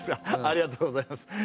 ありがとうございます。